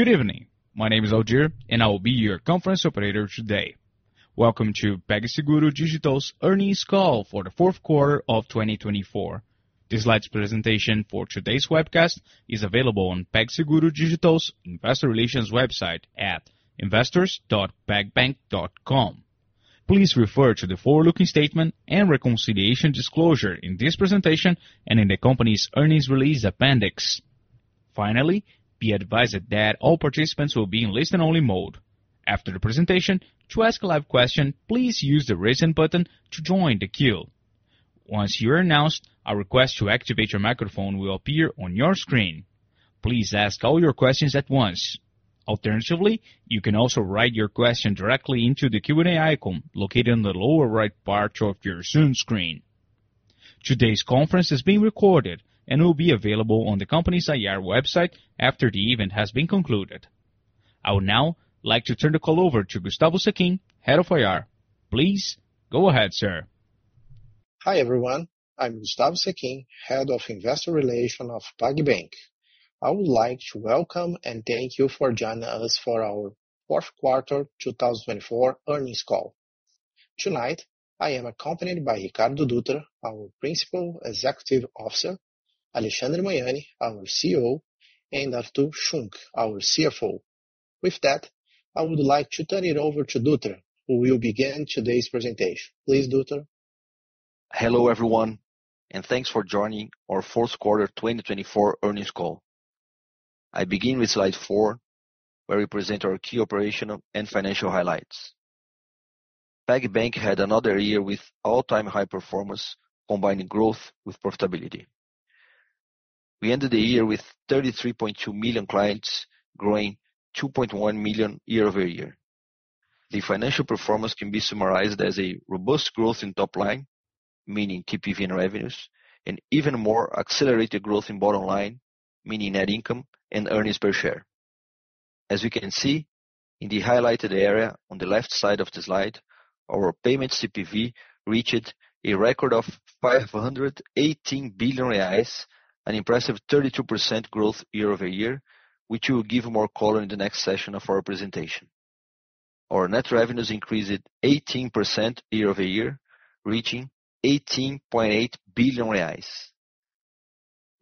Good evening. My name is Algir, and I will be your conference operator today. Welcome to PagSeguro Digital's earnings call for the fourth quarter of 2024. This slides presentation for today's webcast is available on PagSeguro Digital's Investor Relations website at investors.pagbank.com. Please refer to the forward-looking statement and reconciliation disclosure in this presentation and in the company's earnings release appendix. Finally, be advised that all participants will be in listen-only mode. After the presentation, to ask a live question, please use the raising button to join the queue. Once you are announced, a request to activate your microphone will appear on your screen. Please ask all your questions at once. Alternatively, you can also write your question directly into the Q&A icon located in the lower right part of your Zoom screen. Today's conference is being recorded and will be available on the company's IR website after the event has been concluded. I would now like to turn the call over to Gustavo Sechin, Head of IR. Please go ahead, sir. Hi everyone. I'm Gustavo Sechin, Head of Investor Relations of PagBank. I would like to welcome and thank you for joining us for our fourth quarter 2024 earnings call. Tonight, I am accompanied by Ricardo Dutra, our Principal Executive Officer, Alexandre Magnani, our CEO, and Artur Schunck, our CFO. With that, I would like to turn it over to Dutra, who will begin today's presentation. Please, Dutra. Hello everyone, and thanks for joining our fourth quarter 2024 earnings call. I begin with slide four, where we present our key operational and financial highlights. PagBank had another year with all-time high performance, combining growth with profitability. We ended the year with 33.2 million clients, growing 2.1 million year over year. The financial performance can be summarized as a robust growth in top line, meaning TPV and revenues, and even more accelerated growth in bottom line, meaning net income and earnings per share. As we can see in the highlighted area on the left side of the slide, our payments TPV reached a record of 518 billion reais, an impressive 32% growth year over year, which we will give more color in the next section of our presentation. Our net revenues increased 18% year over year, reaching 18.8 billion reais.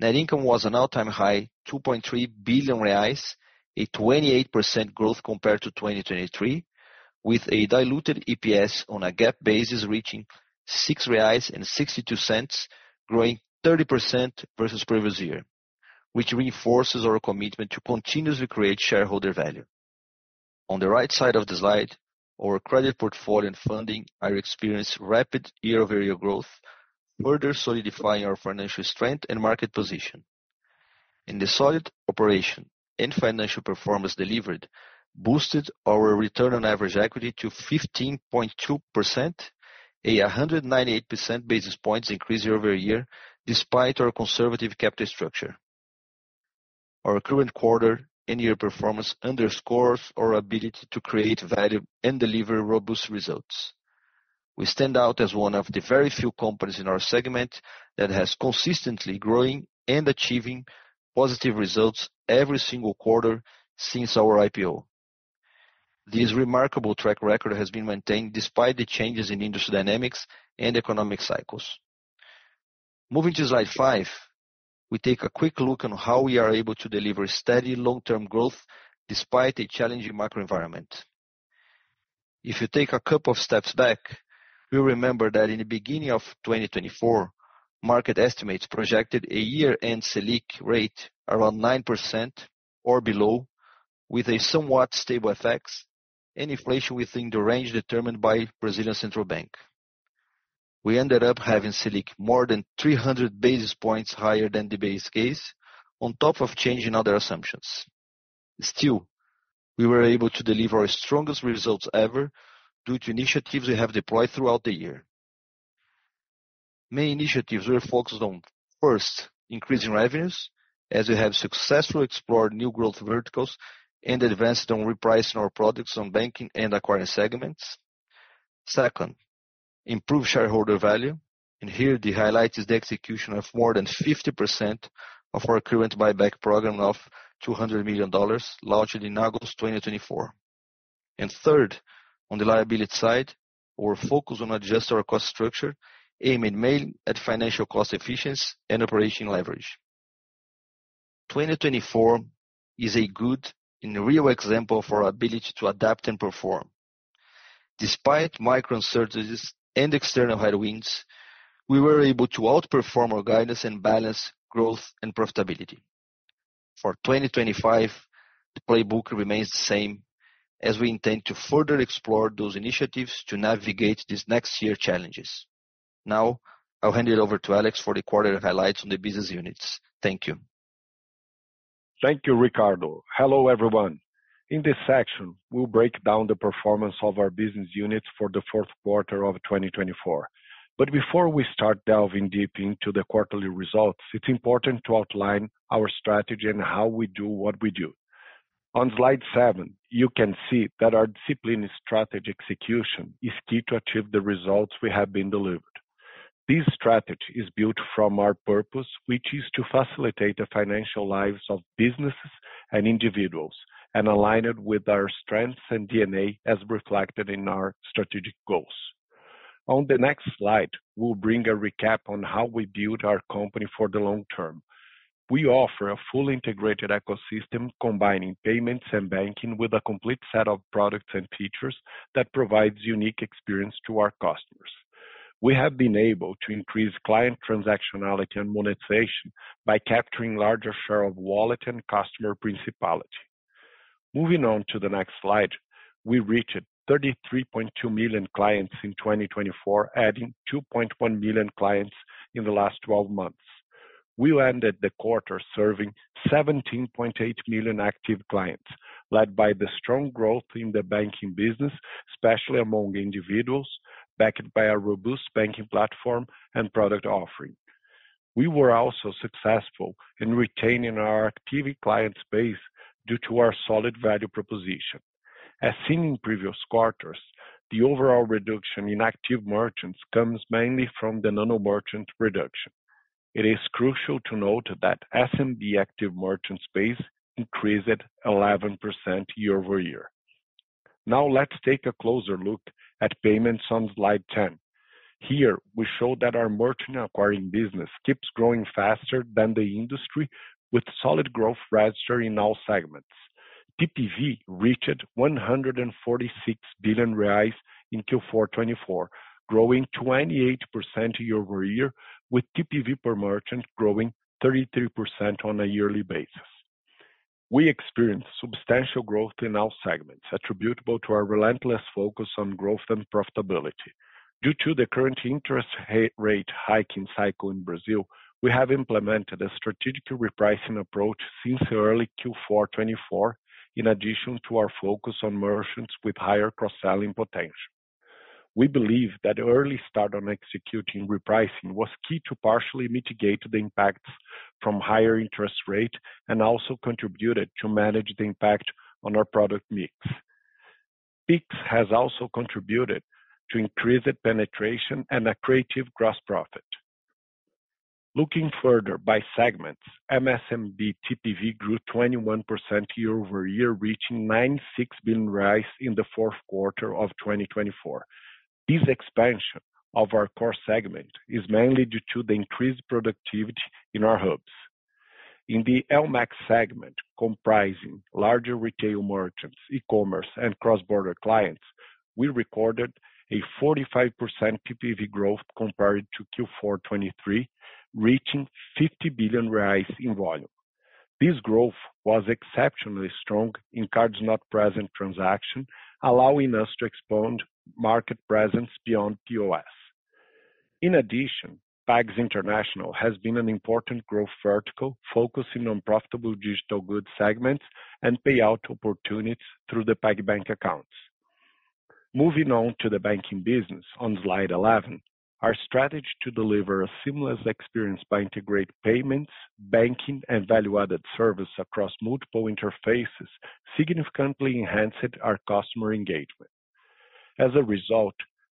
Net income was an all-time high, 2.3 billion reais, a 28% growth compared to 2023, with a diluted EPS on a GAAP basis reaching 6.62 reais, growing 30% versus the previous year, which reinforces our commitment to continuously create shareholder value. On the right side of the slide, our credit portfolio and funding have experienced rapid year-over-year growth, further solidifying our financial strength and market position. In the solid operational and financial performance delivered boosted our return on average equity to 15.2%, a 198 basis points increase year over year, despite our conservative capital structure. Our current quarter and year performance underscores our ability to create value and deliver robust results. We stand out as one of the very few companies in our segment that has consistently grown and achieved positive results every single quarter since our IPO. This remarkable track record has been maintained despite the changes in industry dynamics and economic cycles. Moving to slide five, we take a quick look on how we are able to deliver steady long-term growth despite a challenging macro environment. If you take a couple of steps back, you'll remember that in the beginning of 2024, market estimates projected a year-end Selic rate around 9% or below, with a somewhat stable effect and inflation within the range determined by the Brazilian central bank. We ended up having Selic more than 300 basis points higher than the base case, on top of changing other assumptions. Still, we were able to deliver our strongest results ever due to initiatives we have deployed throughout the year. Main initiatives were focused on, first, increasing revenues, as we have successfully explored new growth verticals and advanced on repricing our products on banking and acquiring segments. Second, improved shareholder value, and here the highlight is the execution of more than 50% of our current buyback program of $200 million launched in August 2024. And third, on the liability side, our focus on adjusting our cost structure, aiming mainly at financial cost efficiency and operational leverage. 2024 is a good and real example of our ability to adapt and perform. Despite macro uncertainties and external headwinds, we were able to outperform our guidance and balance growth and profitability. For 2025, the playbook remains the same, as we intend to further explore those initiatives to navigate these next year's challenges. Now, I'll hand it over to Alex for the quarter highlights on the business units. Thank you. Thank you, Ricardo. Hello everyone. In this section, we'll break down the performance of our business units for the fourth quarter of 2024. But before we start delving deep into the quarterly results, it's important to outline our strategy and how we do what we do. On slide seven, you can see that our disciplined strategy execution is key to achieve the results we have been delivered. This strategy is built from our purpose, which is to facilitate the financial lives of businesses and individuals, and align it with our strengths and DNA, as reflected in our strategic goals. On the next slide, we'll bring a recap on how we build our company for the long term. We offer a fully integrated ecosystem combining payments and banking with a complete set of products and features that provide a unique experience to our customers. We have been able to increase client transactionality and monetization by capturing a larger share of wallet and customer principality. Moving on to the next slide, we reached 33.2 million clients in 2024, adding 2.1 million clients in the last 12 months. We ended the quarter serving 17.8 million active clients, led by the strong growth in the banking business, especially among individuals, backed by a robust banking platform and product offering. We were also successful in retaining our active client base due to our solid value proposition. As seen in previous quarters, the overall reduction in active merchants comes mainly from the non-merchant reduction. It is crucial to note that SMB active merchant base increased 11% year over year. Now, let's take a closer look at payments on slide 10. Here, we show that our merchant acquiring business keeps growing faster than the industry, with solid growth registered in all segments. TPV reached 146 billion reais in Q4 2024, growing 28% year over year, with TPV per merchant growing 33% on a yearly basis. We experienced substantial growth in all segments, attributable to our relentless focus on growth and profitability. Due to the current interest rate hiking cycle in Brazil, we have implemented a strategic repricing approach since early Q4 2024, in addition to our focus on merchants with higher cross-selling potential. We believe that the early start on executing repricing was key to partially mitigate the impacts from higher interest rates and also contributed to manage the impact on our product mix. PIX has also contributed to increased penetration and an incremental gross profit. Looking further by segments, MSMB TPV grew 21% year over year, reaching R$96 billion in the fourth quarter of 2024. This expansion of our core segment is mainly due to the increased productivity in our hubs. In the LMAC segment, comprising larger retail merchants, e-commerce, and cross-border clients, we recorded a 45% TPV growth compared to Q4 2023, reaching R$50 billion in volume. This growth was exceptionally strong in cards not present transactions, allowing us to expand market presence beyond POS. In addition, Pags International has been an important growth vertical, focusing on profitable digital goods segments and payout opportunities through the PagBank accounts. Moving on to the banking business, on slide 11, our strategy to deliver a seamless experience by integrating payments, banking, and value-added services across multiple interfaces significantly enhanced our customer engagement. As a result,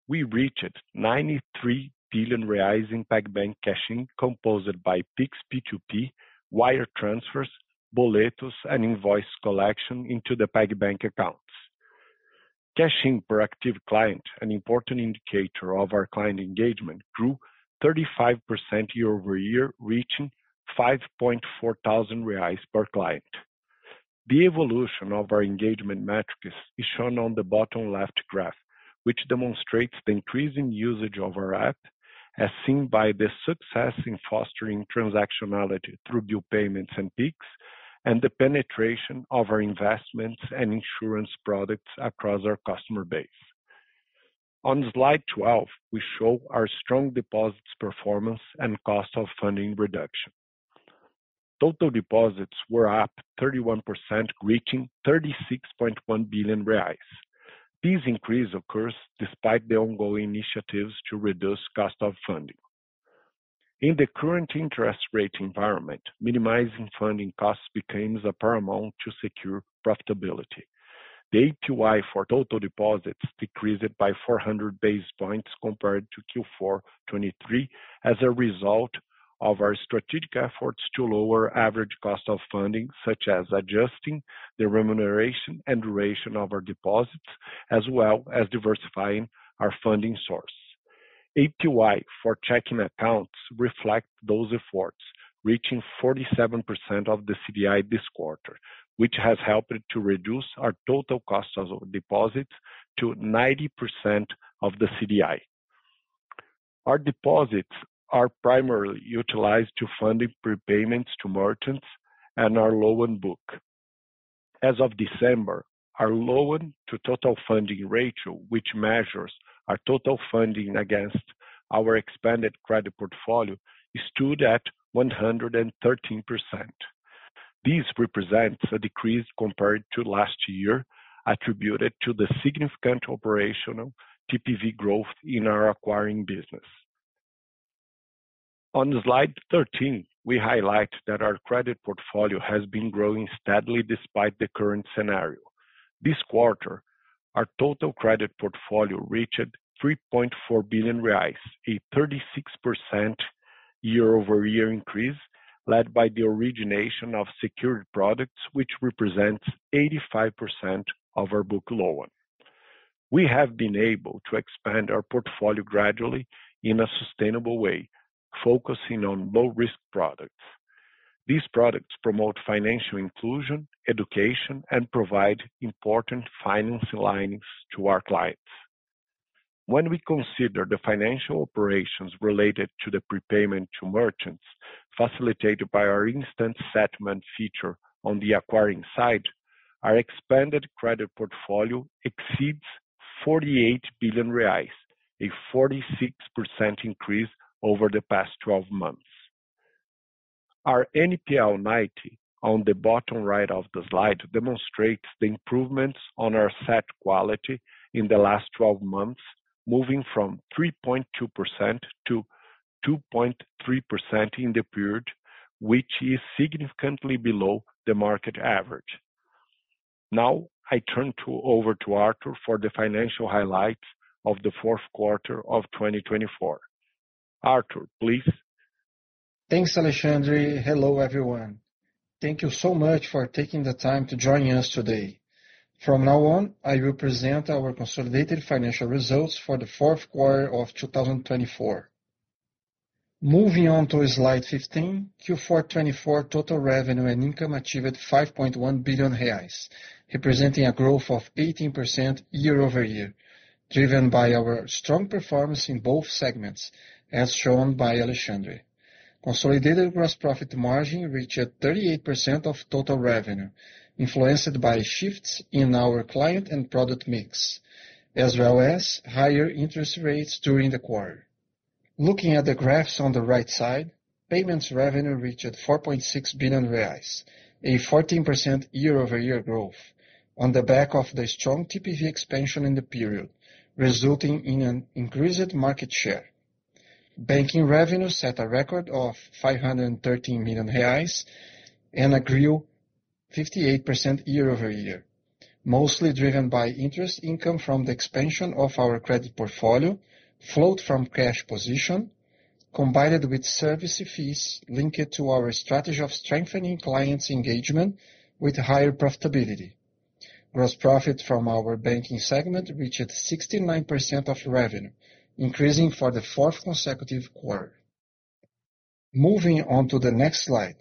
we reached 93 billion reais in PagBank cashing, composed by PIX P2P, wire transfers, boletos, and invoice collection into the PagBank accounts. Cashing per active client, an important indicator of our client engagement, grew 35% year over year, reaching 5,400 reais per client. The evolution of our engagement metrics is shown on the bottom left graph, which demonstrates the increasing usage of our app, as seen by the success in fostering transactionality through bill payments and PIX, and the penetration of our investments and insurance products across our customer base. On slide 12, we show our strong deposits performance and cost of funding reduction. Total deposits were up 31%, reaching 36.1 billion reais. This increase occurs despite the ongoing initiatives to reduce cost of funding. In the current interest rate environment, minimizing funding costs becomes a paramount to secure profitability. The APY for total deposits decreased by 400 basis points compared to Q4 2023, as a result of our strategic efforts to lower average cost of funding, such as adjusting the remuneration and duration of our deposits, as well as diversifying our funding source. APY for checking accounts reflects those efforts, reaching 47% of the CDI this quarter, which has helped to reduce our total cost of deposits to 90% of the CDI. Our deposits are primarily utilized to fund prepayments to merchants and our loan book. As of December, our loan to total funding ratio, which measures our total funding against our expanded credit portfolio, stood at 113%. This represents a decrease compared to last year, attributed to the significant operational TPV growth in our acquiring business. On slide 13, we highlight that our credit portfolio has been growing steadily despite the current scenario. This quarter, our total credit portfolio reached 3.4 billion reais, a 36% year-over-year increase, led by the origination of secured products, which represents 85% of our book loan. We have been able to expand our portfolio gradually in a sustainable way, focusing on low-risk products. These products promote financial inclusion, education, and provide important finance lines to our clients. When we consider the financial operations related to the prepayment to merchants, facilitated by our instant settlement feature on the acquiring side, our expanded credit portfolio exceeds 48 billion reais, a 46% increase over the past 12 months. Our NPL 90 on the bottom right of the slide demonstrates the improvements on our asset quality in the last 12 months, moving from 3.2% to 2.3% in the period, which is significantly below the market average. Now, I turn over to Artur for the financial highlights of the fourth quarter of 2024. Artur, please. Thanks, Alexandre. Hello, everyone. Thank you so much for taking the time to join us today. From now on, I will present our consolidated financial results for the fourth quarter of 2024. Moving on to slide 15, Q4 2024 total revenue and income achieved 5.1 billion reais, representing a growth of 18% year over year, driven by our strong performance in both segments, as shown by Alexandre. Consolidated gross profit margin reached 38% of total revenue, influenced by shifts in our client and product mix, as well as higher interest rates during the quarter. Looking at the graphs on the right side, payments revenue reached 4.6 billion reais, a 14% year-over-year growth, on the back of the strong TPV expansion in the period, resulting in an increased market share. Banking revenue set a record of R$ 513 million and grew 58% year-over-year, mostly driven by interest income from the expansion of our credit portfolio, flowing from cash position, combined with service fees linked to our strategy of strengthening clients' engagement with higher profitability. Gross profit from our banking segment reached 69% of revenue, increasing for the fourth consecutive quarter. Moving on to the next slide.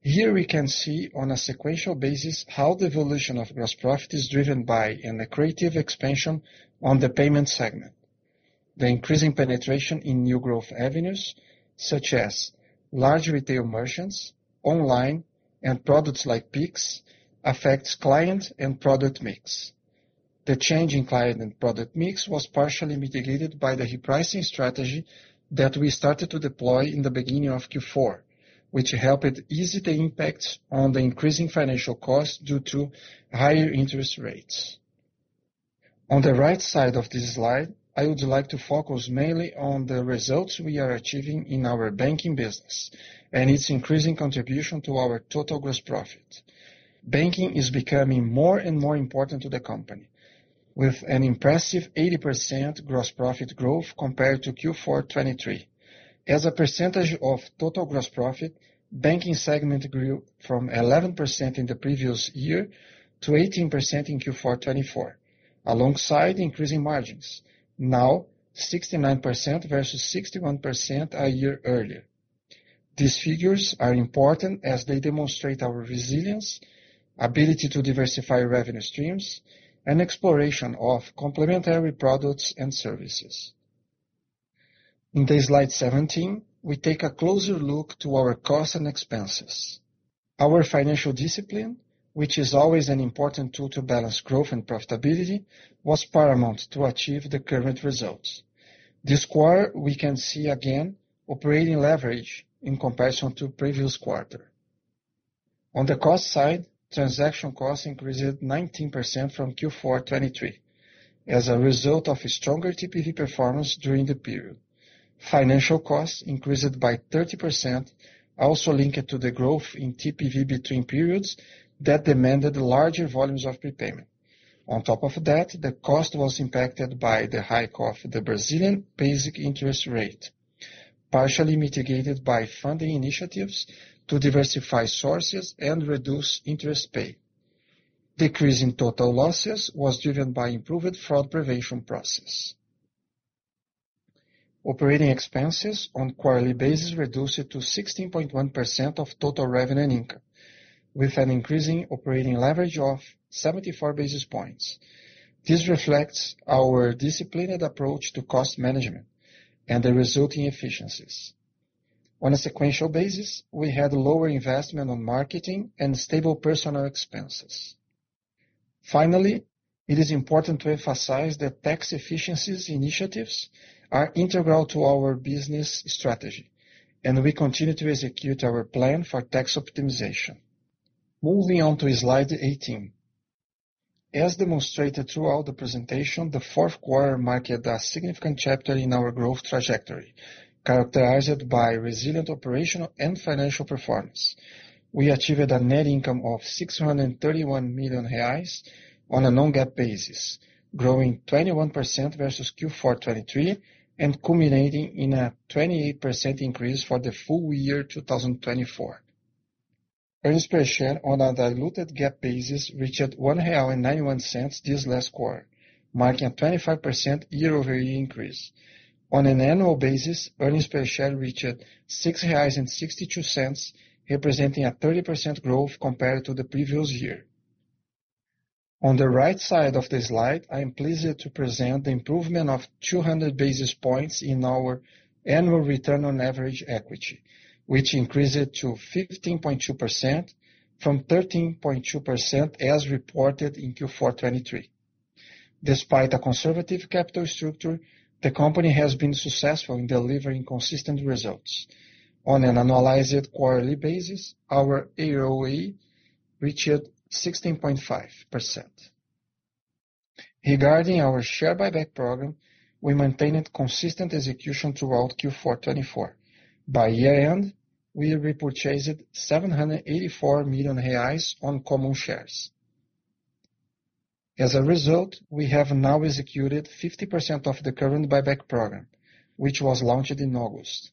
Here, we can see on a sequential basis how the evolution of gross profit is driven by a credit expansion on the payment segment. The increasing penetration in new growth avenues, such as large retail merchants, online, and products like PIX, affects client and product mix. The change in client and product mix was partially mitigated by the repricing strategy that we started to deploy in the beginning of Q4, which helped ease the impact on the increasing financial costs due to higher interest rates. On the right side of this slide, I would like to focus mainly on the results we are achieving in our banking business and its increasing contribution to our total gross profit. Banking is becoming more and more important to the company, with an impressive 80% gross profit growth compared to Q4 2023. As a percentage of total gross profit, banking segment grew from 11% in the previous year to 18% in Q4 2024, alongside increasing margins, now 69% versus 61% a year earlier. These figures are important as they demonstrate our resilience, ability to diversify revenue streams, and exploration of complementary products and services. In slide 17, we take a closer look to our costs and expenses. Our financial discipline, which is always an important tool to balance growth and profitability, was paramount to achieve the current results. This quarter, we can see again operating leverage in comparison to the previous quarter. On the cost side, transaction costs increased 19% from Q4 2023 as a result of stronger TPV performance during the period. Financial costs increased by 30%, also linked to the growth in TPV between periods that demanded larger volumes of prepayment. On top of that, the cost was impacted by the hike of the Brazilian basic interest rate, partially mitigated by funding initiatives to diversify sources and reduce interest pay. Decrease in total losses was driven by improved fraud prevention process. Operating expenses on a quarterly basis reduced to 16.1% of total revenue and income, with an increasing operating leverage of 74 basis points. This reflects our disciplined approach to cost management and the resulting efficiencies. On a sequential basis, we had lower investment on marketing and stable personnel expenses. Finally, it is important to emphasize that tax efficiencies initiatives are integral to our business strategy, and we continue to execute our plan for tax optimization. Moving on to slide 18. As demonstrated throughout the presentation, the fourth quarter marked a significant chapter in our growth trajectory, characterized by resilient operational and financial performance. We achieved a net income of 631 million reais on a non-GAAP basis, growing 21% versus Q4 2023 and culminating in a 28% increase for the full year 2024. Earnings per share on a diluted GAAP basis reached 1.91 real this last quarter, marking a 25% year-over-year increase. On an annual basis, earnings per share reached 6.62 reais, representing a 30% growth compared to the previous year. On the right side of the slide, I am pleased to present the improvement of 200 basis points in our annual return on average equity, which increased to 15.2% from 13.2% as reported in Q4 2023. Despite a conservative capital structure, the company has been successful in delivering consistent results. On an annualized quarterly basis, our AROE reached 16.5%. Regarding our share buyback program, we maintained consistent execution throughout Q4 2024. By year-end, we repurchased 784 million reais on common shares. As a result, we have now executed 50% of the current buyback program, which was launched in August.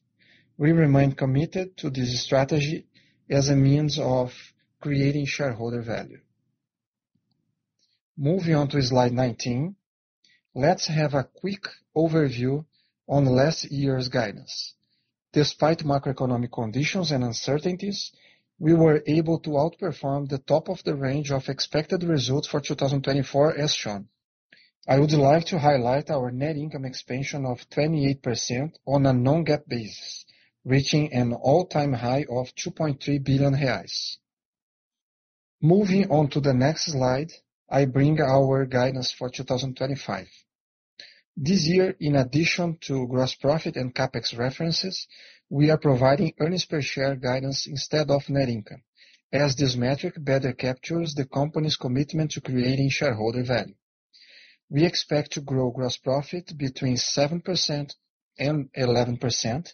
We remain committed to this strategy as a means of creating shareholder value. Moving on to slide 19, let's have a quick overview on last year's guidance. Despite macroeconomic conditions and uncertainties, we were able to outperform the top of the range of expected results for 2024, as shown. I would like to highlight our net income expansion of 28% on a non-GAAP basis, reaching an all-time high of 2.3 billion reais. Moving on to the next slide, I bring our guidance for 2025. This year, in addition to gross profit and CapEx references, we are providing earnings per share guidance instead of net income, as this metric better captures the company's commitment to creating shareholder value. We expect to grow gross profit between 7% and 11%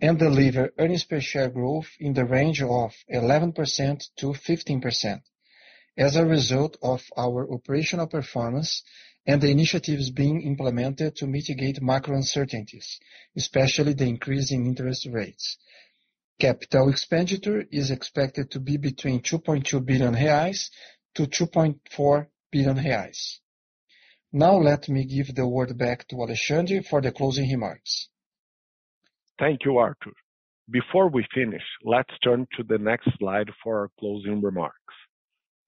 and deliver earnings per share growth in the range of 11% to 15% as a result of our operational performance and the initiatives being implemented to mitigate macro uncertainties, especially the increase in interest rates. Capital expenditure is expected to be between 2.2 billion-2.4 billion reais. Now, let me give the word back to Alexandre for the closing remarks. Thank you, Artur. Before we finish, let's turn to the next slide for our closing remarks.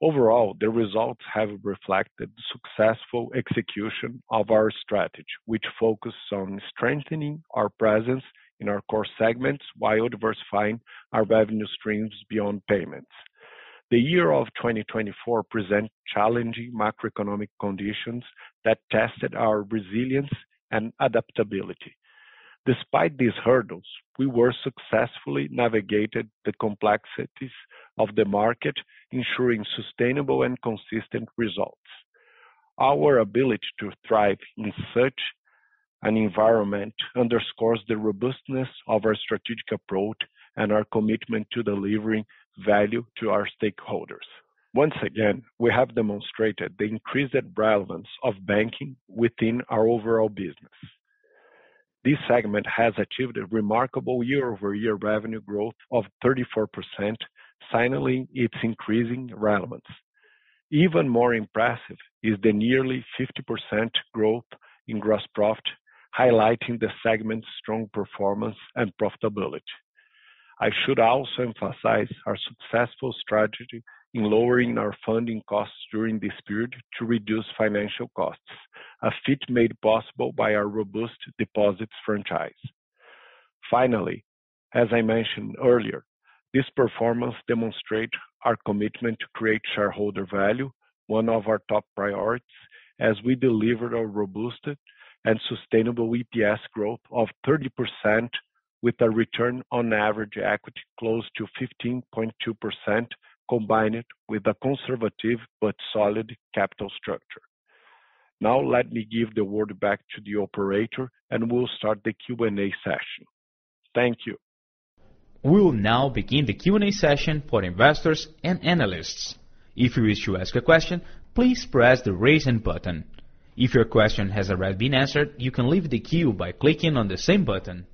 Overall, the results have reflected the successful execution of our strategy, which focuses on strengthening our presence in our core segments while diversifying our revenue streams beyond payments. The year of 2024 presented challenging macroeconomic conditions that tested our resilience and adaptability. Despite these hurdles, we were successfully navigated the complexities of the market, ensuring sustainable and consistent results. Our ability to thrive in such an environment underscores the robustness of our strategic approach and our commitment to delivering value to our stakeholders. Once again, we have demonstrated the increased relevance of banking within our overall business. This segment has achieved a remarkable year-over-year revenue growth of 34%, signaling its increasing relevance. Even more impressive is the nearly 50% growth in gross profit, highlighting the segment's strong performance and profitability. I should also emphasize our successful strategy in lowering our funding costs during this period to reduce financial costs, a feat made possible by our robust deposits franchise. Finally, as I mentioned earlier, this performance demonstrates our commitment to create shareholder value, one of our top priorities, as we delivered a robust and sustainable EPS growth of 30% with a return on average equity close to 15.2%, combined with a conservative but solid capital structure. Now, let me give the word back to the operator, and we'll start the Q&A session. Thank you. We will now begin the Q&A session for investors and analysts. If you wish to ask a question, please press the raise hand button. If your question has already been answered, you can leave the queue by clicking on the same button.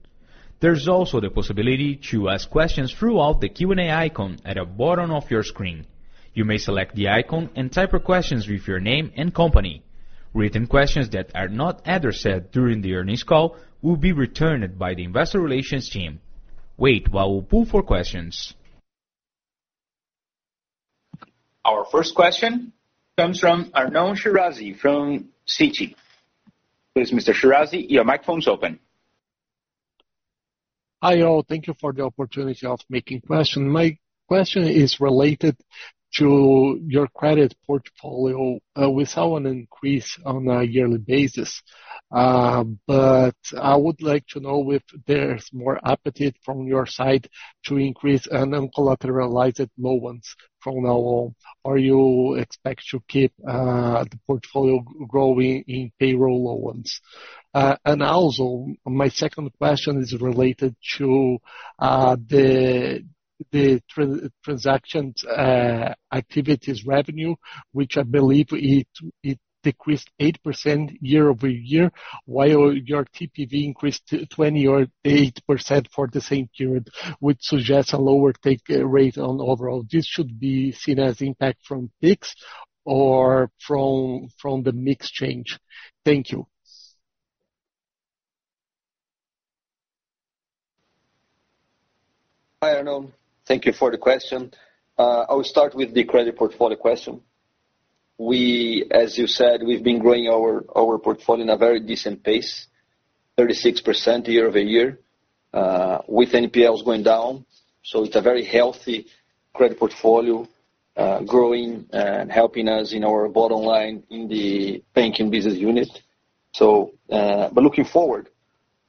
There's also the possibility to ask questions through the Q&A icon at the bottom of your screen. You may select the icon and type your questions with your name and company. Written questions that are not answered during the earnings call will be returned by the investor relations team. Wait while we poll for questions. Our first question comes from Arnon Shirazi from Citi. Please, Mr. Shirazi, your microphone is open. Hi all. Thank you for the opportunity of making questions. My question is related to your credit portfolio. We saw an increase on a yearly basis, but I would like to know if there's more appetite from your side to increase and non-collateralized loans from now on. Are you expecting to keep the portfolio growing in payroll loans? And also, my second question is related to the transaction activities revenue, which I believe it decreased 8% year over year, while your TPV increased 20 or 8% for the same period, which suggests a lower take rate on overall. This should be seen as impact from PIX or from the mix change. Thank you. Hi, Arnon. Thank you for the question. I will start with the credit portfolio question. As you said, we've been growing our portfolio at a very decent pace, 36% year over year, with NPLs going down. So it's a very healthy credit portfolio, growing and helping us in our bottom line in the banking business unit. But looking forward,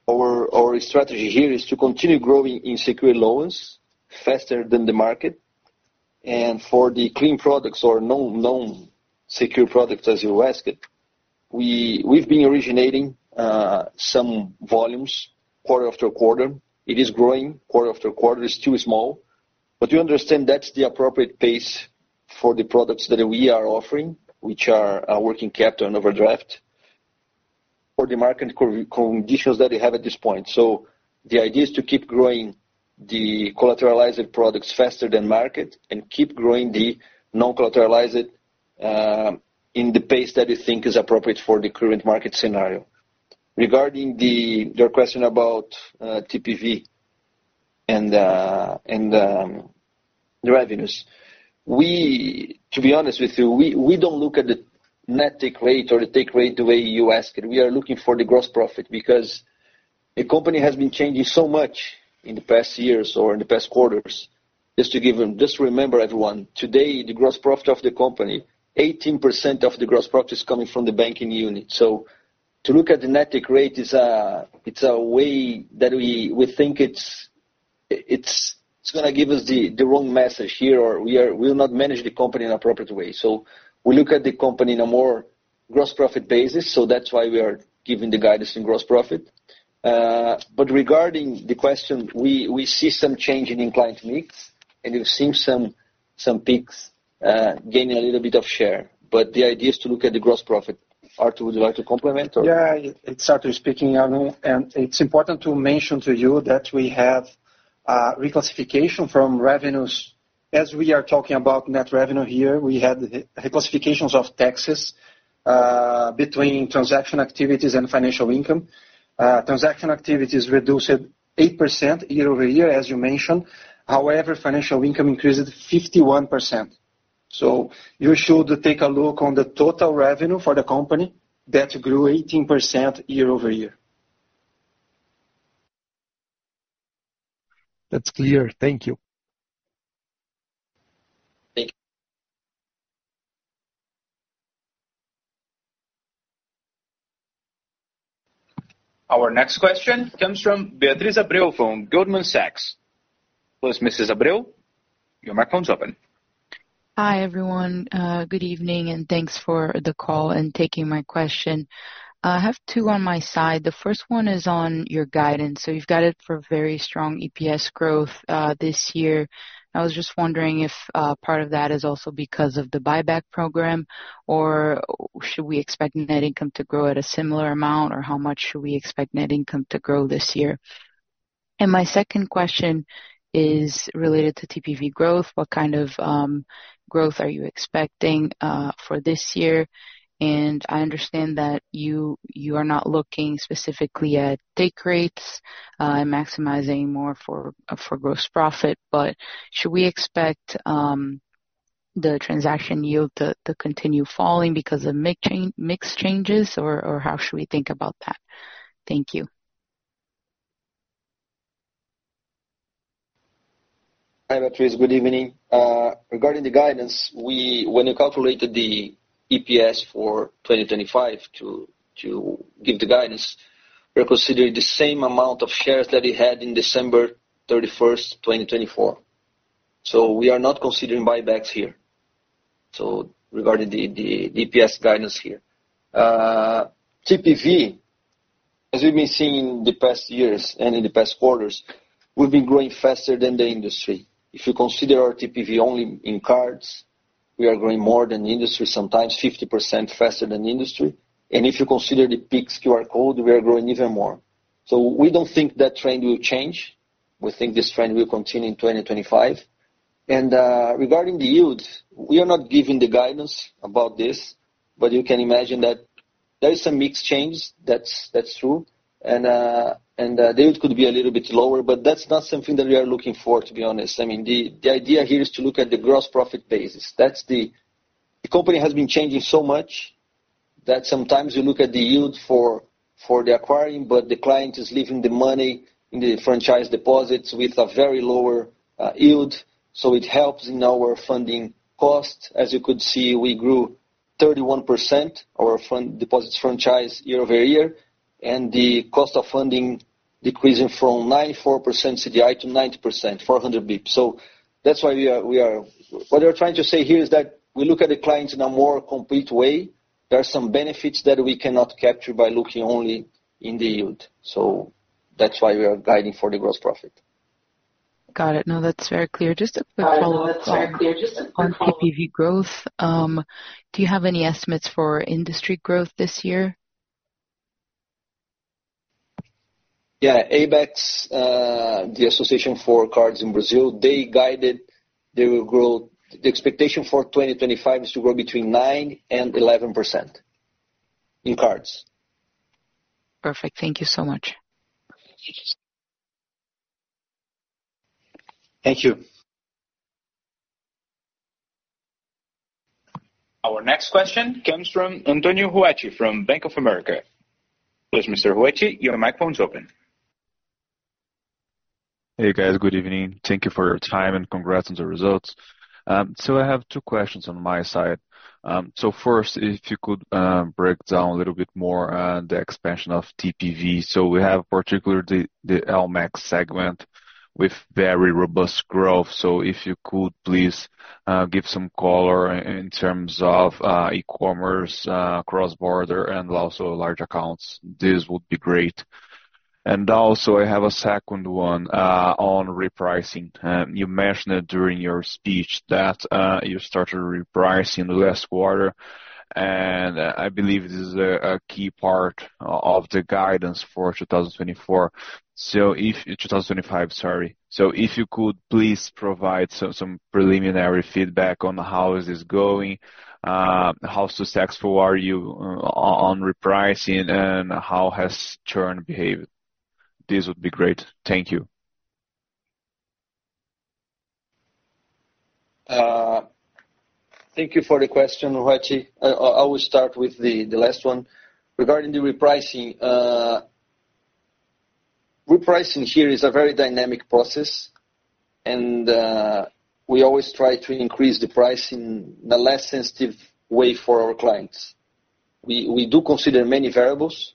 our strategy here is to continue growing in secured loans faster than the market. And for the secured products or non-secured products, as you asked, we've been originating some volumes quarter after quarter. It is growing quarter after quarter. It's too small. But you understand that's the appropriate pace for the products that we are offering, which are working capital and overdraft, for the market conditions that we have at this point. So the idea is to keep growing the collateralized products faster than market and keep growing the non-collateralized in the pace that you think is appropriate for the current market scenario. Regarding your question about TPV and the revenues, to be honest with you, we don't look at the net take rate or the take rate the way you asked. We are looking for the gross profit because the company has been changing so much in the past years or in the past quarters. Just to give you, just remember, everyone, today, the gross profit of the company, 18% of the gross profit is coming from the banking unit. So to look at the net take rate is a way that we think it's going to give us the wrong message here or we will not manage the company in an appropriate way. So we look at the company in a more gross profit basis. So that's why we are giving the guidance in gross profit. But regarding the question, we see some change in client mix, and you've seen some PIX gaining a little bit of share. But the idea is to look at the gross profit. Arthur, would you like to complement? Yeah. It's Arthur speaking, Arnon. And it's important to mention to you that we have reclassification from revenues. As we are talking about net revenue here, we had reclassifications of taxes between transaction activities and financial income. Transaction activities reduced 8% year over year, as you mentioned. However, financial income increased 51%. So you should take a look on the total revenue for the company that grew 18% year over year. That's clear. Thank you. Thank you. Our next question comes from Beatriz Abreu from Goldman Sachs. Please, Mrs. Abreu, your microphone is open. Hi, everyone. Good evening, and thanks for the call and taking my question. I have two on my side. The first one is on your guidance. So you've got it for very strong EPS growth this year. I was just wondering if part of that is also because of the buyback program, or should we expect net income to grow at a similar amount, or how much should we expect net income to grow this year? And my second question is related to TPV growth. What kind of growth are you expecting for this year? And I understand that you are not looking specifically at take rates and maximizing more for gross profit, but should we expect the transaction yield to continue falling because of mix changes, or how should we think about that? Thank you. Hi, Beatriz. Good evening. Regarding the guidance, when you calculated the EPS for 2025 to give the guidance, we're considering the same amount of shares that we had on December 31st, 2024. So we are not considering buybacks here. So regarding the EPS guidance here, TPV, as we've been seeing in the past years and in the past quarters, we've been growing faster than the industry. If you consider our TPV only in cards, we are growing more than the industry, sometimes 50% faster than the industry. And if you consider the PIX QR code, we are growing even more. So we don't think that trend will change. We think this trend will continue in 2025. And regarding the yield, we are not giving the guidance about this, but you can imagine that there is some mix change. That's true. The yield could be a little bit lower, but that's not something that we are looking for, to be honest. I mean, the idea here is to look at the gross profit basis. The company has been changing so much that sometimes you look at the yield for the acquiring, but the client is leaving the money in the franchise deposits with a very lower yield. So it helps in our funding cost. As you could see, we grew 31%, our deposits franchise year over year, and the cost of funding decreasing from 94% CDI to 90%, 400 basis points. So that's why we are what we are trying to say here is that we look at the clients in a more complete way. There are some benefits that we cannot capture by looking only in the yield. So that's why we are guiding for the gross profit. Got it. No, that's very clear. Just a quick follow-up. On TPV growth, do you have any estimates for industry growth this year? Yeah. ABECS, the Association for Cards in Brazil, they guided they will grow the expectation for 2025 is to grow between 9% and 11% in cards. Perfect. Thank you so much. Thank you. Our next question comes from Antonio Reutte from Bank of America. Please, Mr. Reutte, your microphone is open. Hey, guys. Good evening. Thank you for your time and congrats on the results. So I have two questions on my side. So first, if you could break down a little bit more the expansion of TPV. So we have particularly the LMAC segment with very robust growth. So if you could, please give some color in terms of e-commerce, cross-border, and also large accounts. This would be great. And also, I have a second one on repricing. You mentioned it during your speech that you started repricing last quarter, and I believe this is a key part of the guidance for 2024. So if 2025, sorry. So if you could, please provide some preliminary feedback on how is this going, how successful are you on repricing, and how has churn behaved? This would be great. Thank you. Thank you for the question, Reutte. I will start with the last one. Regarding the repricing, repricing here is a very dynamic process, and we always try to increase the price in a less sensitive way for our clients. We do consider many variables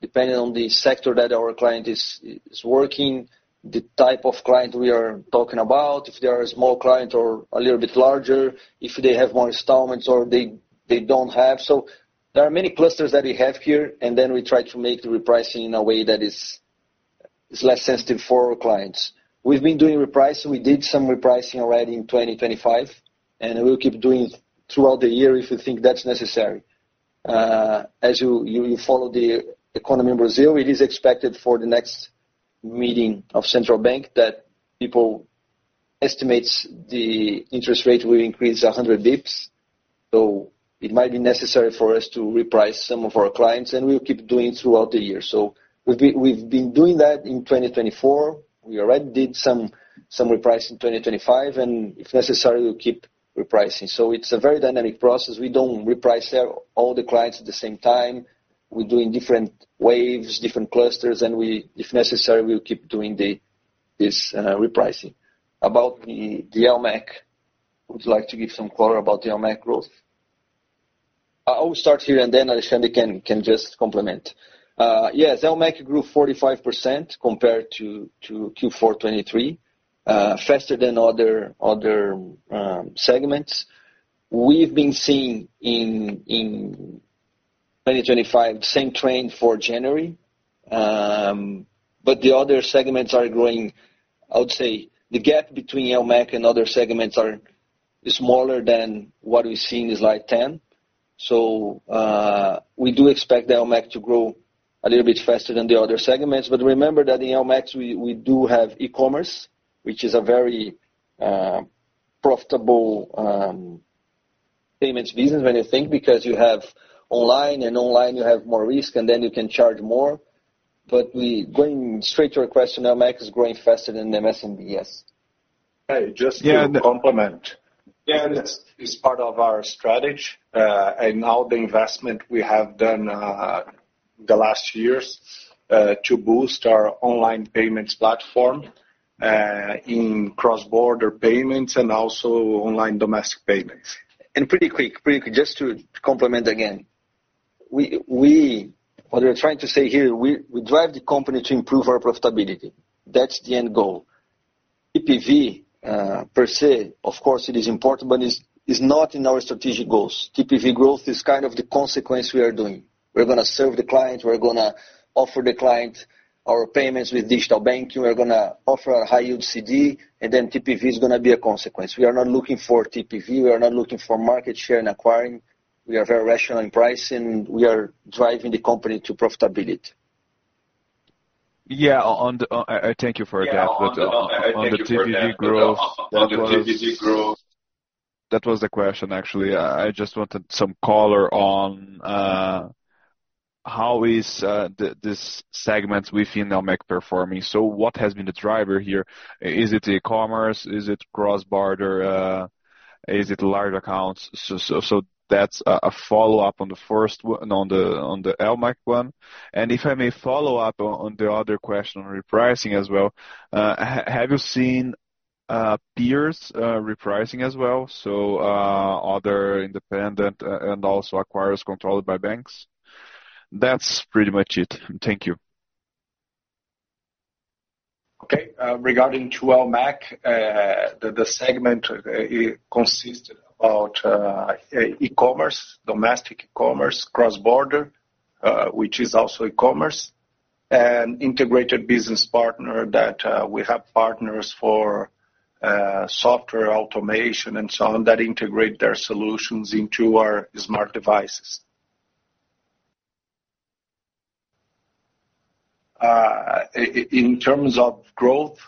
depending on the sector that our client is working, the type of client we are talking about, if they are a small client or a little bit larger, if they have more installments or they don't have. So there are many clusters that we have here, and then we try to make the repricing in a way that is less sensitive for our clients. We've been doing repricing. We did some repricing already in 2025, and we'll keep doing it throughout the year if we think that's necessary. As you follow the economy in Brazil, it is expected for the next meeting of the Central Bank that people estimate the interest rate will increase 100 basis points. So it might be necessary for us to reprice some of our clients, and we'll keep doing it throughout the year. So we've been doing that in 2024. We already did some repricing in 2025, and if necessary, we'll keep repricing. So it's a very dynamic process. We don't reprice all the clients at the same time. We're doing different waves, different clusters, and if necessary, we'll keep doing this repricing. About the LMAC, would you like to give some color about the LMAC growth? I will start here, and then Alexandre can just complement. Yes, LMAC grew 45% compared to Q4 2023, faster than other segments. We've been seeing in 2025 the same trend for January, but the other segments are growing. I would say the gap between LMAC and other segments is smaller than what we've seen in slide 10. So we do expect the LMAC to grow a little bit faster than the other segments. But remember that in LMACs, we do have e-commerce, which is a very profitable payments business when you think because you have online, and online, you have more risk, and then you can charge more. But going straight to your question, LMAC is growing faster than MSMB's. Yeah. Just to complement. Yeah. It's part of our strategy and all the investment we have done the last years to boost our online payments platform in cross-border payments and also online domestic payments. And pretty quick, pretty quick, just to complement again, what we're trying to say here, we drive the company to improve our profitability. That's the end goal. TPV per se, of course, it is important, but it's not in our strategic goals. TPV growth is kind of the consequence we are doing. We're going to serve the client. We're going to offer the client our payments with digital banking. We're going to offer a high-yield CD, and then TPV is going to be a consequence. We are not looking for TPV. We are not looking for market share in acquiring. We are very rational in pricing, and we are driving the company to profitability. Yeah. Thank you for that. On the TPV growth. That was the question, actually. I just wanted some color on how is this segment within LMAC performing. So what has been the driver here? Is it e-commerce? Is it cross-border? Is it large accounts? So that's a follow-up on the first one, on the LMAC one. And if I may follow up on the other question on repricing as well, have you seen peers repricing as well? So other independent and also acquirers controlled by banks? That's pretty much it. Thank you. Okay. Regarding to LMAC, the segment consists about e-commerce, domestic e-commerce, cross-border, which is also e-commerce, and integrated business partner that we have partners for software automation and so on that integrate their solutions into our smart devices. In terms of growth,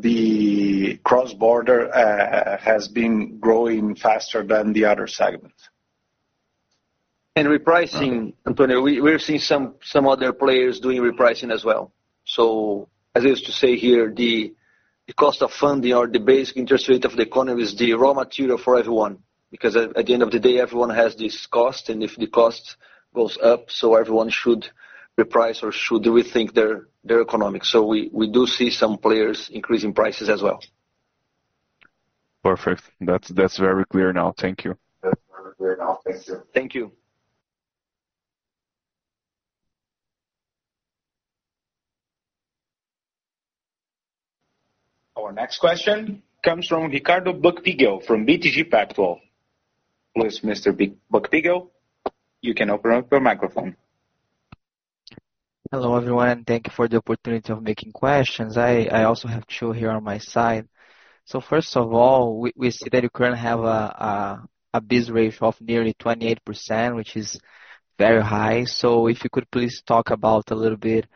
the cross-border has been growing faster than the other segments. And repricing, Antonio, we've seen some other players doing repricing as well. So as I used to say here, the cost of funding or the basic interest rate of the economy is the raw material for everyone because at the end of the day, everyone has this cost, and if the cost goes up, so everyone should reprice or should rethink their economics. So we do see some players increasing prices as well. Perfect. That's very clear now. Thank you. Thank you. Our next question comes from Ricardo Buchpiguel from BTG Pactual. Please, Mr. Buchpiguel, you can open up your microphone. Hello, everyone. Thank you for the opportunity of making questions. I also have Chu here on my side, so first of all, we see that Ukraine have a Basel rate of nearly 28%, which is very high, so if you could please talk about a little bit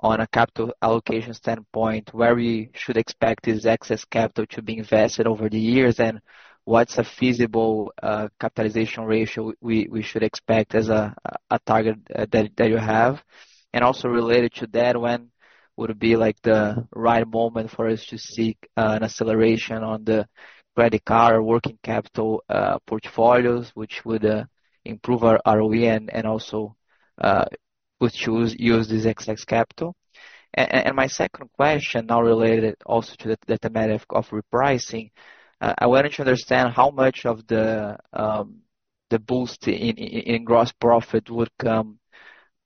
on a capital allocation standpoint, where we should expect this excess capital to be invested over the years, and what's a feasible capitalization ratio we should expect as a target that you have, and also related to that, when would be the right moment for us to seek an acceleration on the credit card or working capital portfolios, which would improve our ROE and also would use this excess capital? My second question now related also to the thematic of repricing. I wanted to understand how much of the boost in gross profit would come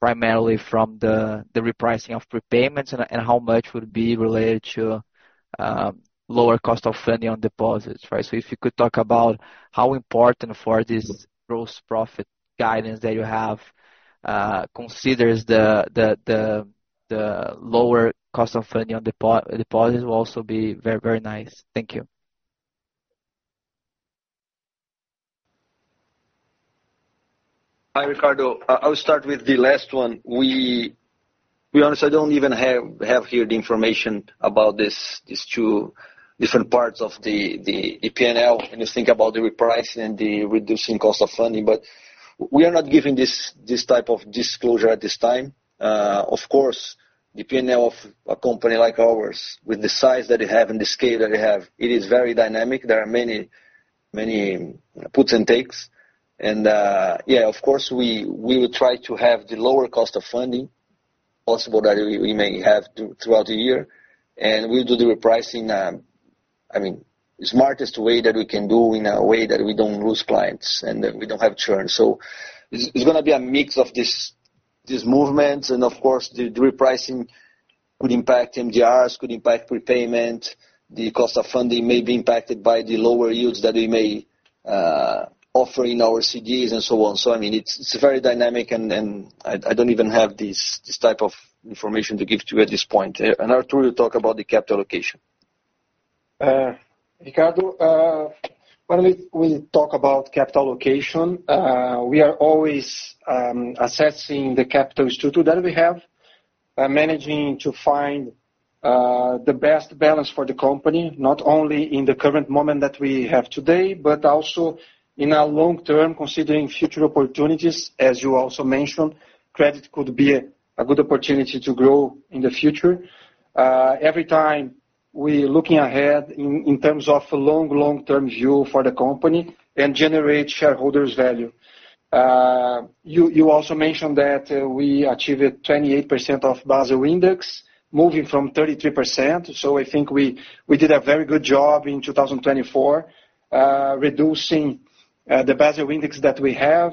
primarily from the repricing of prepayments and how much would be related to lower cost of funding on deposits, right? If you could talk about how important for this gross profit guidance that you have considers the lower cost of funding on deposits will also be very, very nice. Thank you. Hi, Ricardo. I will start with the last one. To be honest, I don't even have here the information about these two different parts of the P&L when you think about the repricing and the reducing cost of funding, but we are not giving this type of disclosure at this time. Of course, the P&L of a company like ours, with the size that it has and the scale that it has, it is very dynamic. There are many puts and takes, and yeah, of course, we will try to have the lower cost of funding possible that we may have throughout the year, and we'll do the repricing, I mean, the smartest way that we can do in a way that we don't lose clients and that we don't have churn. So it's going to be a mix of these movements, and of course, the repricing could impact MDRs, could impact prepayment. The cost of funding may be impacted by the lower yields that we may offer in our CDs and so on. So I mean, it's very dynamic, and I don't even have this type of information to give to you at this point. And Artur, you talk about the capital allocation. Ricardo, when we talk about capital allocation, we are always assessing the capital structure that we have, managing to find the best balance for the company, not only in the current moment that we have today, but also in our long term, considering future opportunities. As you also mentioned, credit could be a good opportunity to grow in the future. Every time we're looking ahead in terms of a long, long-term view for the company and generate shareholders' value. You also mentioned that we achieved a 28% of Basel Index, moving from 33%. So I think we did a very good job in 2024, reducing the Basel Index that we have,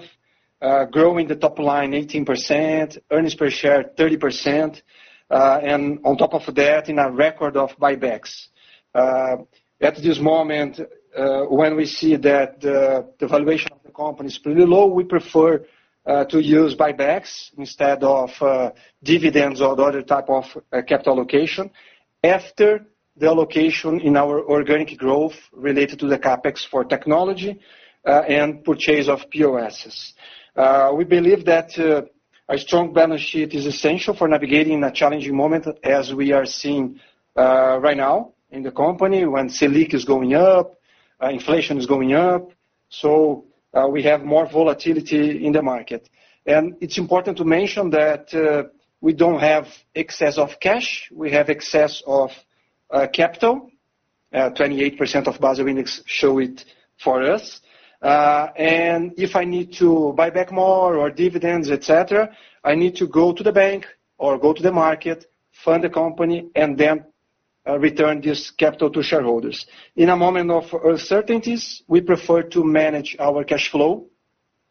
growing the top line 18%, earnings per share 30%, and on top of that, in a record of buybacks. At this moment, when we see that the valuation of the company is pretty low, we prefer to use buybacks instead of dividends or the other type of capital allocation after the allocation in our organic growth related to the CapEx for technology and purchase of POSs. We believe that a strong balance sheet is essential for navigating a challenging moment as we are seeing right now in the company when Selic is going up, inflation is going up, so we have more volatility in the market. And it's important to mention that we don't have excess of cash. We have excess of capital. 28% of Basel Index show it for us. And if I need to buy back more or dividends, etc., I need to go to the bank or go to the market, fund the company, and then return this capital to shareholders. In a moment of uncertainties, we prefer to manage our cash flow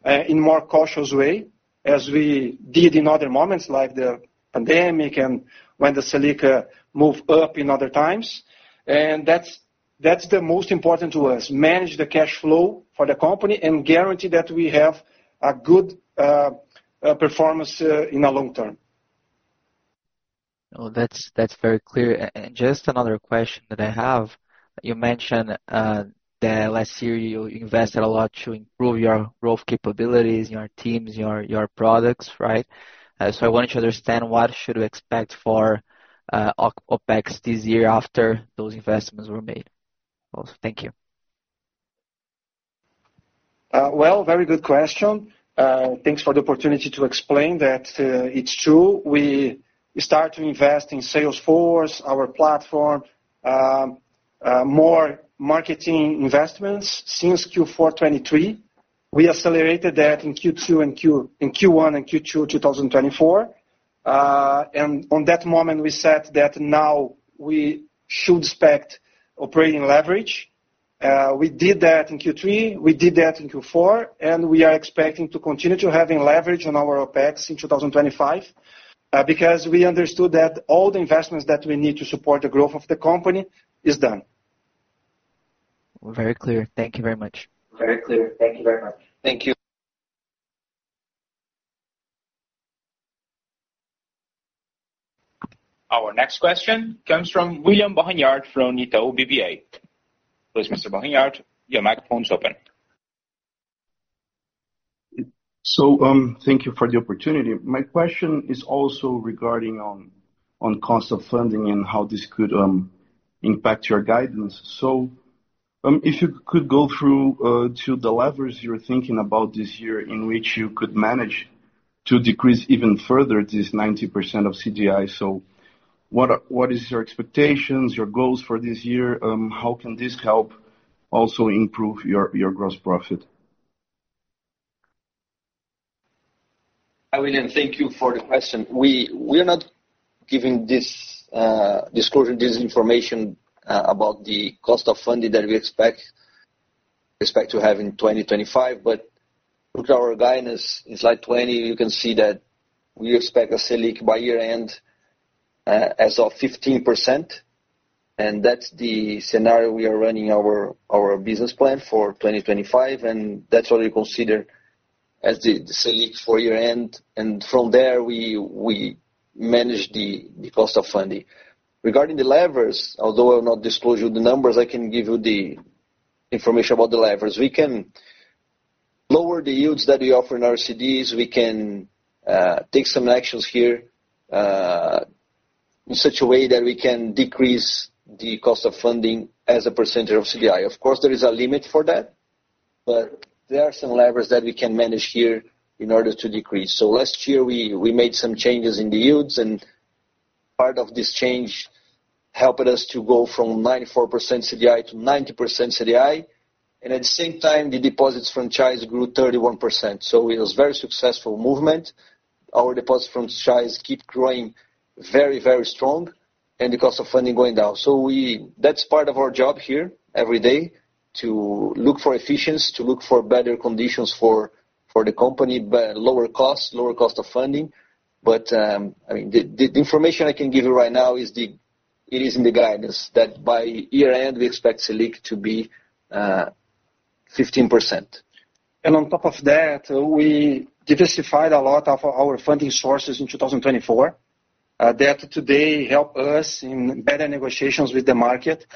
in a more cautious way as we did in other moments like the pandemic and when the Selic moved up in other times. And that's the most important to us, manage the cash flow for the company and guarantee that we have a good performance in the long term. Oh, that's very clear. And just another question that I have. You mentioned that last year you invested a lot to improve your growth capabilities, your teams, your products, right? So I wanted to understand what should we expect for OpEx this year after those investments were made. Thank you. Very good question. Thanks for the opportunity to explain that it's true. We start to invest in Salesforce, our platform, more marketing investments since Q4 2023. We accelerated that in Q1 and Q2 2024. On that moment, we said that now we should expect operating leverage. We did that in Q3. We did that in Q4. We are expecting to continue to have leverage on our OpEx in 2025 because we understood that all the investments that we need to support the growth of the company are done. Very clear. Thank you very much. Our next question comes from William Barranjard from Itaú BBA. Please, Mr. Barranjard, your microphone is open. Thank you for the opportunity. My question is also regarding cost of funding and how this could impact your guidance. If you could go through to the levers you're thinking about this year in which you could manage to decrease even further this 90% of CDI. What are your expectations, your goals for this year? How can this help also improve your gross profit? William, thank you for the question. We are not giving this disclosure, this information about the cost of funding that we expect to have in 2025. But look at our guidance in slide 20. You can see that we expect a Selic by year-end as of 15%. And that's the scenario we are running our business plan for 2025. And that's what we consider as the Selic for year-end. And from there, we manage the cost of funding. Regarding the levers, although I will not disclose you the numbers, I can give you the information about the levers. We can lower the yields that we offer in our CDs. We can take some actions here in such a way that we can decrease the cost of funding as a percentage of CDI. Of course, there is a limit for that, but there are some levers that we can manage here in order to decrease, so last year, we made some changes in the yields, and part of this change helped us to go from 94% CDI to 90% CDI, and at the same time, the deposits franchise grew 31%, so it was a very successful movement. Our deposits franchise keep growing very, very strong and the cost of funding going down, so that's part of our job here every day to look for efficiency, to look for better conditions for the company, lower cost, lower cost of funding, but I mean, the information I can give you right now is in the guidance that by year-end, we expect SELIC to be 15%. And on top of that, we diversified a lot of our funding sources in 2024. That today helped us in better negotiations with the market,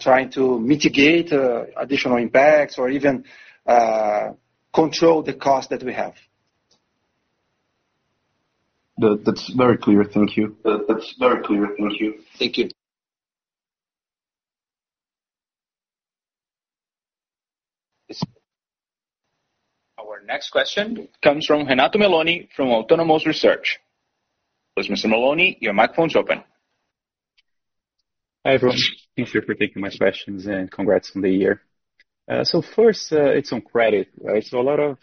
trying to mitigate additional impacts or even control the cost that we have. That's very clear. Thank you. That's very clear. Thank you. Thank you. Our next question comes from Renato Meloni from Autonomous Research. Please, Mr. Meloni, your microphone is open. Hi, everyone. Thank you for taking my questions and congrats on the year. So first, it's on credit, right? So a lot of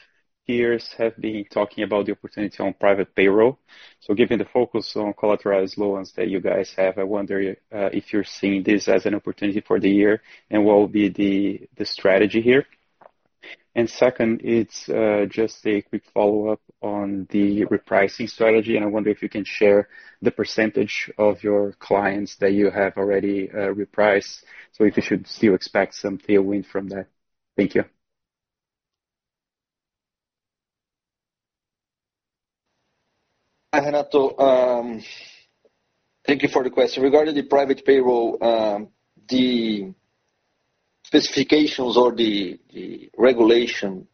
peers have been talking about the opportunity on private payroll. So given the focus on collateralized loans that you guys have, I wonder if you're seeing this as an opportunity for the year and what will be the strategy here. And second, it's just a quick follow-up on the repricing strategy. And I wonder if you can share the percentage of your clients that you have already repriced. So if you should still expect some tailwind from that. Thank you. Hi, Renato. Thank you for the question. Regarding the private payroll, the specifications or the regulation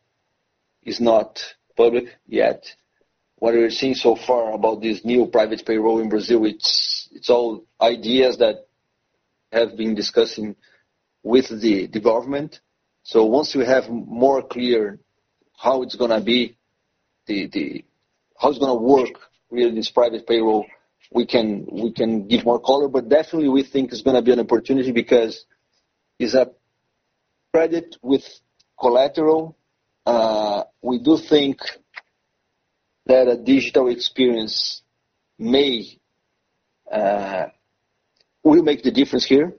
is not public yet. What we're seeing so far about this new private payroll in Brazil, it's all ideas that have been discussing with the government. So once we have more clear how it's going to be, how it's going to work with this private payroll, we can give more color. But definitely, we think it's going to be an opportunity because it's a credit with collateral. We do think that a digital experience will make the difference here.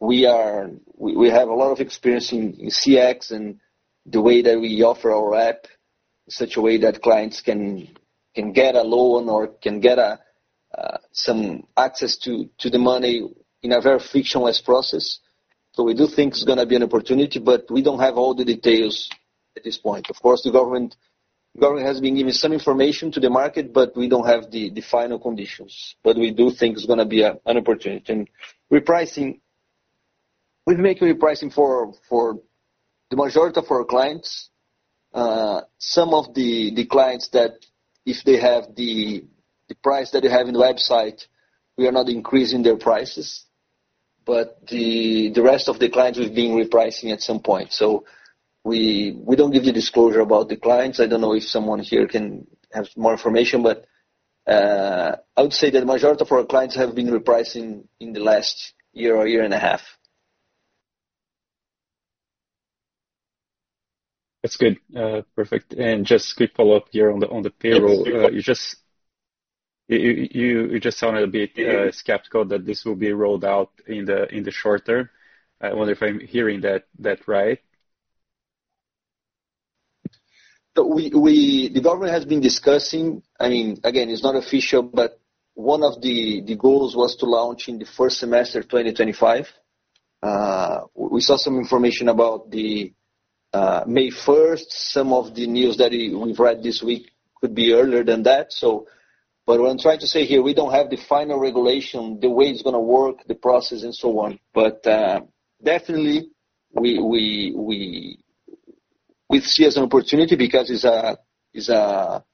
We have a lot of experience in CX and the way that we offer our app in such a way that clients can get a loan or can get some access to the money in a very frictionless process. So we do think it's going to be an opportunity, but we don't have all the details at this point. Of course, the government has been giving some information to the market, but we don't have the final conditions. But we do think it's going to be an opportunity. And repricing, we're making repricing for the majority of our clients. Some of the clients that if they have the price that they have in the website, we are not increasing their prices. But the rest of the clients, we've been repricing at some point. So we don't give the disclosure about the clients. I don't know if someone here can have more information, but I would say that the majority of our clients have been repricing in the last year or year and a half. That's good. Perfect. And just a quick follow-up here on the payroll. You just sounded a bit skeptical that this will be rolled out in the short term. I wonder if I'm hearing that right. The government has been discussing. I mean, again, it's not official, but one of the goals was to launch in the first semester of 2025. We saw some information about May 1st. Some of the news that we've read this week could be earlier than that. But what I'm trying to say here, we don't have the final regulation, the way it's going to work, the process, and so on. But definitely, we see as an opportunity because it's a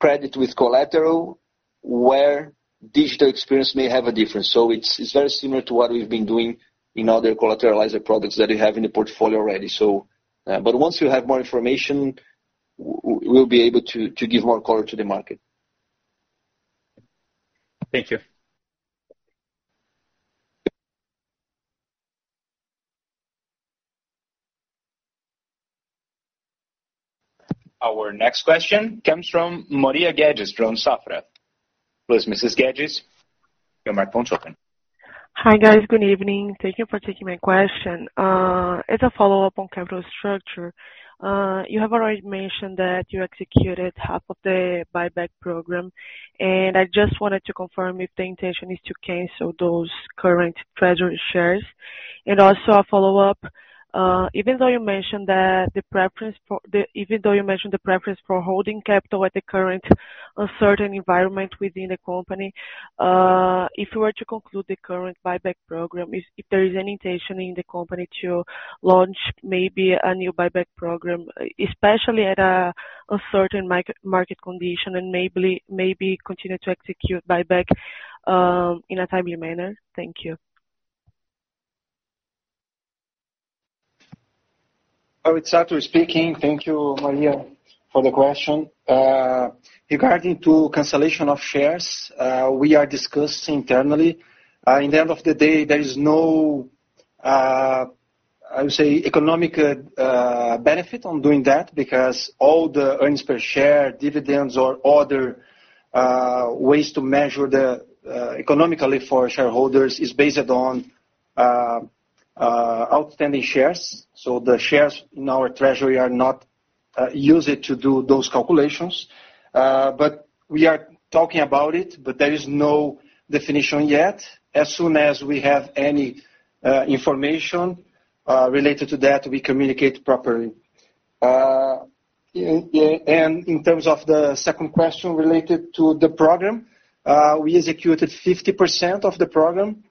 credit with collateral where digital experience may have a difference. So it's very similar to what we've been doing in other collateralized products that we have in the portfolio already. But once we have more information, we'll be able to give more color to the market. Thank you. Our next question comes from Maria Guedes, from Safra. Please, Mrs. Guedes, your microphone is open. Hi, guys. Good evening. Thank you for taking my question. It's a follow-up on capital structure. You have already mentioned that you executed half of the buyback program. And I just wanted to confirm if the intention is to cancel those current treasury shares. And also a follow-up, even though you mentioned the preference for holding capital at the current uncertain environment within the company, if you were to conclude the current buyback program, if there is any intention in the company to launch maybe a new buyback program, especially at a certain market condition, and maybe continue to execute buyback in a timely manner. Thank you. Artur speaking. Thank you, Maria, for the question. Regarding cancellation of shares, we are discussing internally. At the end of the day, there is no, I would say, economic benefit to doing that because all the earnings per share, dividends, or other ways to measure the economic value for shareholders is based on outstanding shares. So the shares in our treasury are not used to do those calculations. But we are talking about it, but there is no definition yet. As soon as we have any information related to that, we communicate properly, and in terms of the second question related to the program, we executed 50% of the program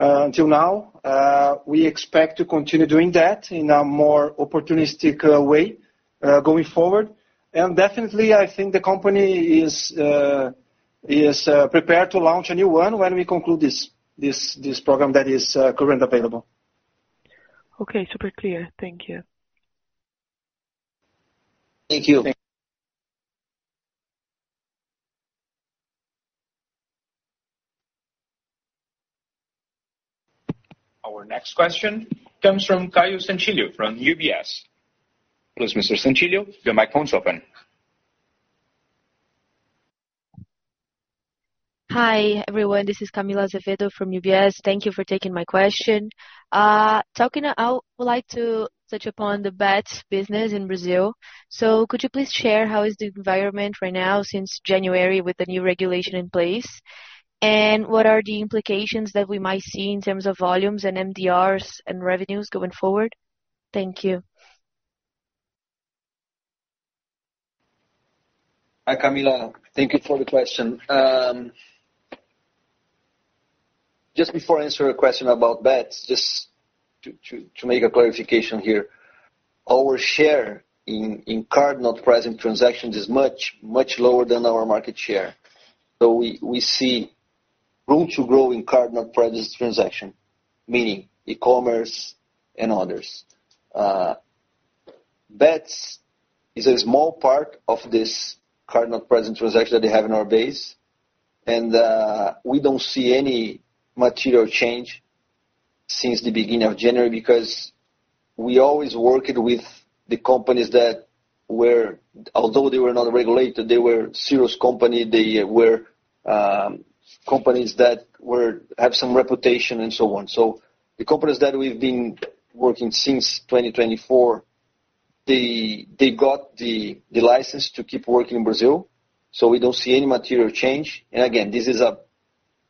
until now. We expect to continue doing that in a more opportunistic way going forward, and definitely, I think the company is prepared to launch a new one when we conclude this program that is currently available. Okay. Super clear. Thank you. Thank you. Our next question comes from Caio Santillo from UBS. Please, Ms. Santillo, your microphone is open. Hi, everyone. This is Camila Azevedo from UBS. Thank you for taking my question. I would like to touch upon the BETS business in Brazil. So could you please share how is the environment right now since January with the new regulation in place? And what are the implications that we might see in terms of volumes and MDRs and revenues going forward? Thank you. Hi, Camila. Thank you for the question. Just before I answer your question about BETS, just to make a clarification here, our share in card not present transactions is much, much lower than our market share. So we see room to grow in card not present transaction, meaning e-commerce and others. BETS is a small part of this card not present transaction that they have in our base. And we don't see any material change since the beginning of January because we always worked with the companies that were, although they were not regulated, they were serious companies. They were companies that have some reputation and so on. So the companies that we've been working since 2024, they got the license to keep working in Brazil. So we don't see any material change. And again, this is a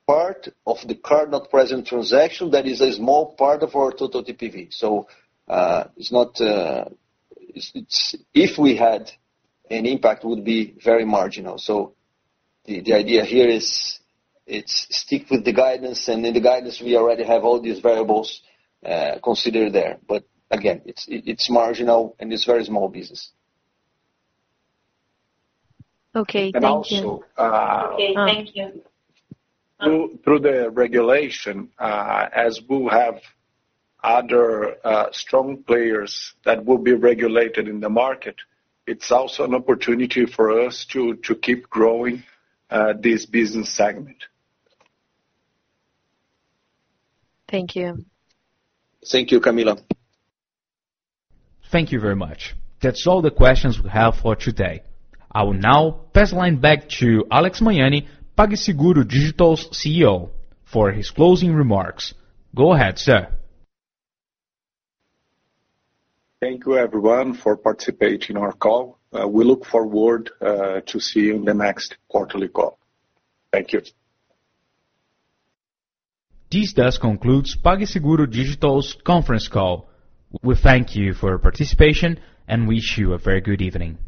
part of the card not present transaction that is a small part of our total TPV. So if we had an impact, it would be very marginal. So the idea here is stick with the guidance. And in the guidance, we already have all these variables considered there. But again, it's marginal and it's a very small business. Okay. Thank you. Through the regulation, as we'll have other strong players that will be regulated in the market, it's also an opportunity for us to keep growing this business segment. Thank you. Thank you, Camila. Thank you very much. That's all the questions we have for today. I will now pass the line back to Alex Magmani, PagSeguro Digital's CEO, for his closing remarks. Go ahead, sir. Thank you, everyone, for participating in our call. We look forward to seeing you in the next quarterly call. Thank you. This does conclude PagSeguro Digital's conference call. We thank you for your participation and wish you a very good evening.